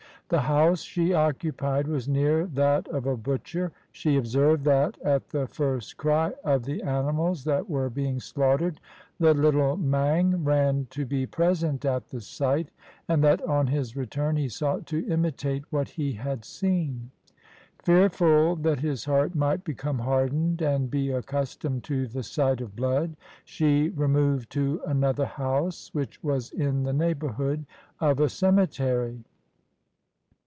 The house she occupied was near that of a butcher; she observed that at the first cry of the animals that were being slaughtered, the Httle Mang ran to be present at the sight, and that on his return he sought to imitate what he had seen. Fearful that his heart might become hardened and be accustomed to the sight of blood, she removed to another house, which was in the neighbor hood of a cemetery.